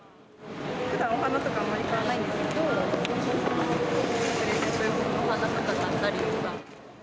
ふだん、お花とかあまり買わないんですけど、お花とか買ったりとか。